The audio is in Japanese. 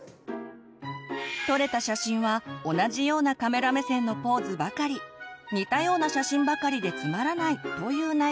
撮れた写真は同じようなカメラ目線のポーズばかり似たような写真ばかりでつまらないという悩みも。